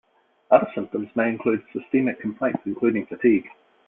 Other symptoms may include systemic complaints including fatigue.